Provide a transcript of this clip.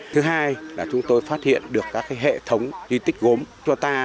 thứ hai là chúng tôi phát hiện được các hệ thống di tích gốm cho ta